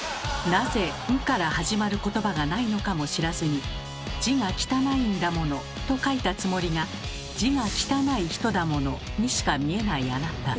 なぜ「ん」から始まることばがないのかも知らずに「字が汚い『ん』だもの」と書いたつもりが「字が汚い『人』だもの」にしか見えないあなた。